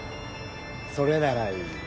それならいい。